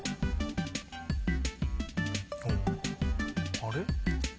あれ？